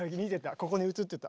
ここに映ってた。